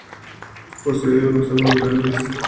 Posee unos ojos grandes.